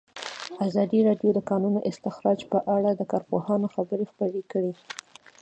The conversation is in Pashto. ازادي راډیو د د کانونو استخراج په اړه د کارپوهانو خبرې خپرې کړي.